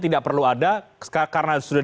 tidak perlu ada karena sudah